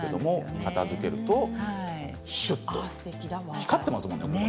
片づけるとしゅっと光っています。